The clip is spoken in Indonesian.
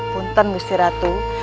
punten gusti ratu